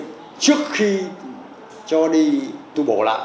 trước khi cho đi tu bổ lại